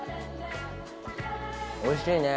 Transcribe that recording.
おいしいね。